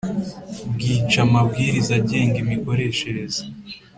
bwica amabwiriza agenga imikoreshereze